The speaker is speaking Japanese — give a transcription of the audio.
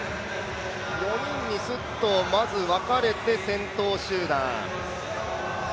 ４人にすっとまず分かれて、先頭集団。